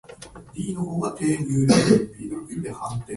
父は天才である